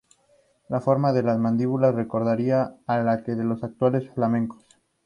La forma de las mandíbulas recordaría a la de los actuales flamencos.